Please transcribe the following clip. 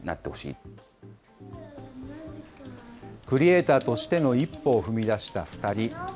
クリエーターとしての一歩を踏み出した２人。